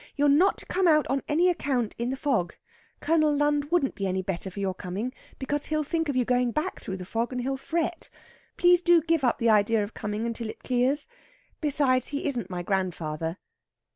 You're not to come out on any account in the fog. Colonel Lund wouldn't be any better for your coming, because he'll think of you going back through the fog, and he'll fret. Please do give up the idea of coming until it clears. Besides, he isn't my grandfather."